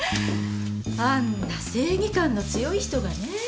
あんな正義感の強い人がねぇ。